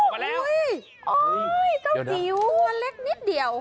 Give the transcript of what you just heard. เจ้าจิ๋วตัวเล็กนิดเดียว